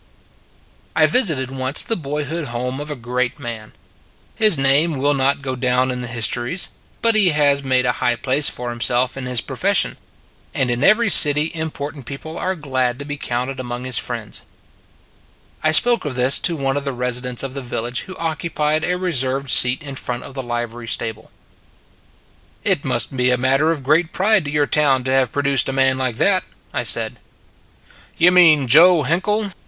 I VISITED once the boyhood home of a great man. His name will not go down in the his tories, but he has made a high place for himself in his profession; and in every city important people are glad to be counted among his friends. I spoke of this to one of the residents of the village who occupied a reserved seat in front of the livery stable. " It must be a matter of great pride to your town to have produced a man like that," I said. " You mean Joe Hinkle?